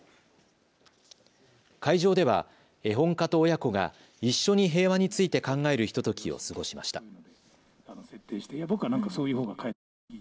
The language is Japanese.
会場では絵本家と親子が一緒に平和について考えるひとときを過ごしました。